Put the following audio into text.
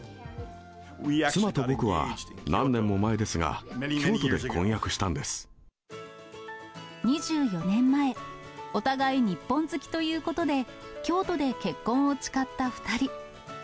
妻と僕は何年も前ですが、２４年前、お互い日本好きということで、京都で結婚を誓った２人。